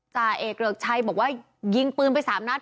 จ่าเอกเกริกชัยบอกว่ายิงปืนไปสามนัด